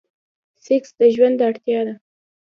سيکس د ژوند اړتيا ده.